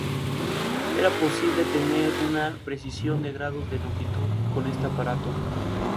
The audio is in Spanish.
Era posible tener una precisión de grados de longitud con este aparato.